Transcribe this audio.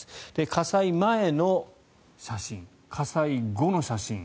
火災前の写真火災後の写真。